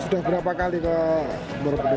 sudah berapa kali ke borobudur